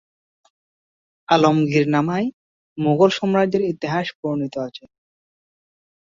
আলমগীরনামায় মুগল সাম্রাজ্যের ইতিহাস বর্ণিত আছে।